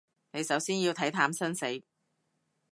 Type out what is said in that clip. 你首先要睇淡生死